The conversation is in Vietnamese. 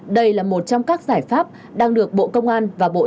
đây là một trong các giải pháp đang được bộ công an và bộ thông tin